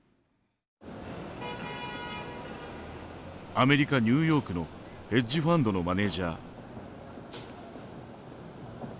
アメリカ・ニューヨークのヘッジファンドのマネージャー。